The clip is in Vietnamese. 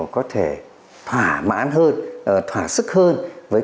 có thể thỏa mãn hơn thỏa sức hơn